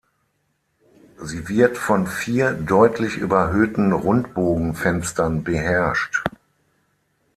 Sie wird von vier deutlich überhöhten Rundbogenfenstern beherrscht.